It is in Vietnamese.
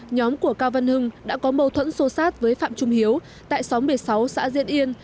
nhóm của cao văn hưng đã có mâu thuẫn sô sát với phạm trung hiếu tại xóm một mươi sáu xã diễn yên